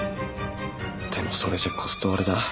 でもそれじゃコスト割れだ。